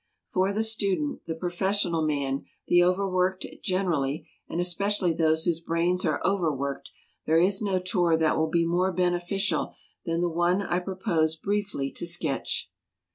For the student, the professional man, the overworked generally, and especially those whose brains are over worked, there is no tour that will be more beneficial than the one I propose briefly to sketch.